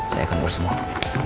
saya akan urus semua